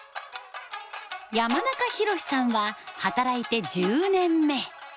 山中裕史さんは働いて１０年目。